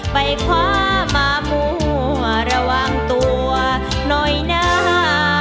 ไปคว้ามามั่วระวังตัวหน่อยนะ